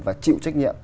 và chịu trách nhiệm